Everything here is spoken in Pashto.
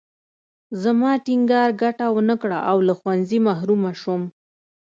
زما ټینګار ګټه ونه کړه او له ښوونځي محرومه شوم